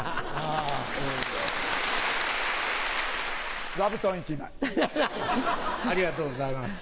ありがとうございます。